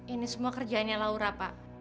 ini semua kerjaannya laura pak